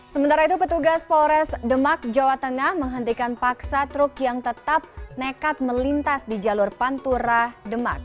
sementara itu petugas polres demak jawa tengah menghentikan paksa truk yang tetap nekat melintas di jalur pantura demak